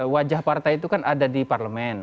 wajah partai itu kan ada di parlemen